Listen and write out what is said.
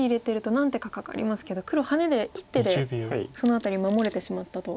何手かかかりますけど黒ハネで１手でその辺り守れてしまったと。